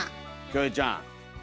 キョエちゃん。